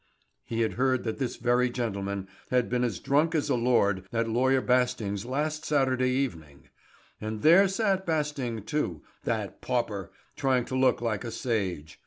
He had heard that this very gentleman had been as drunk as a lord at Lawyer Basting's last Saturday evening. And there sat Basting, too, that pauper, trying to look like a sage!